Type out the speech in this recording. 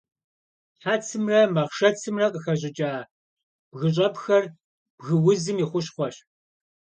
Хьэцымрэ махъшэцымрэ къыхэщӏыкӏа бгыщӏэпхэр бгыузым и хущхъуэщ.